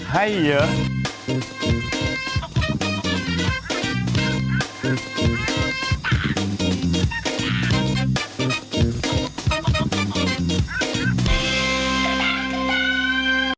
ให้เยอะ